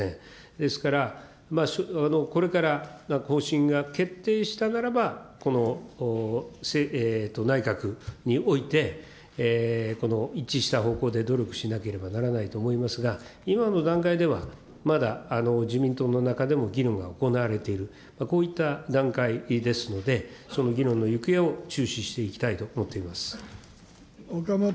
ですから、これから方針が決定したならば、この内閣において、この一致した方向で努力しなければならないと思いますが、今の段階では、まだ自民党の中でも議論が行われている、こういった段階ですので、その議論の行方を注視していきたいと思っています。